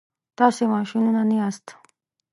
تاسي ماشینونه نه یاست.